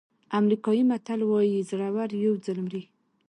امریکایي متل وایي زړور یو ځل مري.